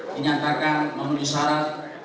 dinyatakan memenuhi syarat